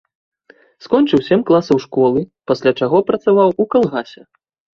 Скончыў сем класаў школы, пасля чаго працаваў у калгасе.